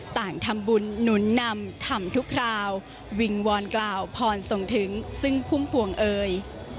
ต่างทำบุญหนุนนำทำทุกคราววิงวอนกล่าวพรส่งถึงซึ่งพุ่มพวงเอ่ย